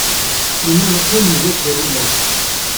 Nella neqqim, nga-d tawinest.